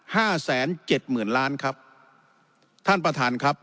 ห้าแสนเจ็ดหมื่นล้านครับท่านประธานครับ